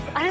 あれ？